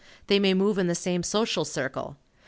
They may move in the same social circle.